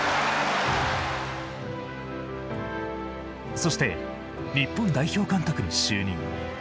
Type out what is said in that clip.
そして日本代表監督に就任。